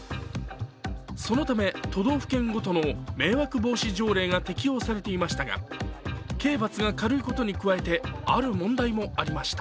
そのため、都道府県ごとの迷惑防止条例が適用されていましたが刑罰が軽いことに加えてある問題もありました。